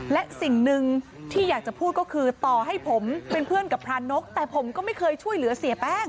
และสิ่งหนึ่งที่อยากจะพูดก็คือต่อให้ผมเป็นเพื่อนกับพรานกแต่ผมก็ไม่เคยช่วยเหลือเสียแป้ง